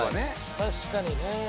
確かにねえ。